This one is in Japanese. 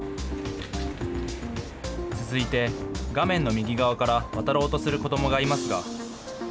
続いて画面の右側から渡ろうとする子どもがいますが。